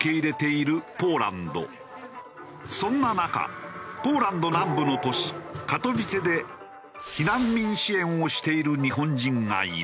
そんな中ポーランド南部の都市カトウィツェで避難民支援をしている日本人がいる。